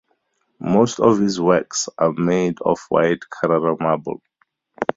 Most of his works are made of white Carrara marble.